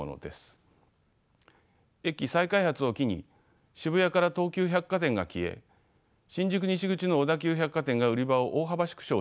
駅前再開発を機に渋谷から東急百貨店が消え新宿西口の小田急百貨店が売り場を大幅縮小しました。